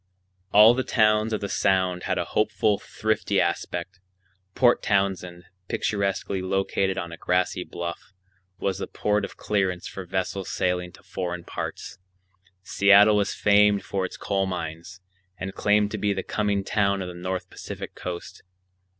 All the towns of the Sound had a hopeful, thrifty aspect. Port Townsend, picturesquely located on a grassy bluff, was the port of clearance for vessels sailing to foreign parts. Seattle was famed for its coal mines, and claimed to be the coming town of the North Pacific Coast.